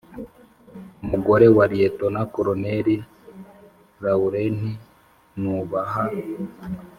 umugore wa liyetona koloneli lawurenti nubaha.